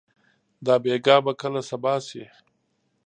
دا بېګا به کله صبا شي؟